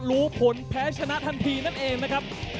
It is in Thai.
รู้ผลแพ้ชนะทันทีนั่นเองนะครับ